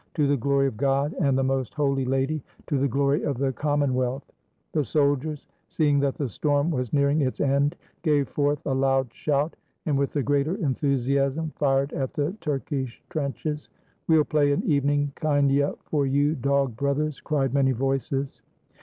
To the glory of God, and the Most Holy Lady: To the glory of the Common wealth!" The soldiers, seeing that the storm was nearing its end, gave forth a loud shout, and with the greater enthu siasm fired at the Turkish trenches. " We '11 play an evening kindya for you, dog brothers," cried many voices.